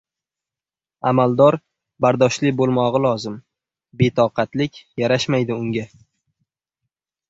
Amaldor bardoshli bo‘lmog‘i lozim, betoqatlik yarashmaydi unga.